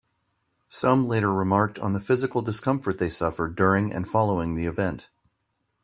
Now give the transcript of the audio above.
Some later remarked on the physical discomfort they suffered during and following the event.